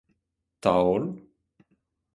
taol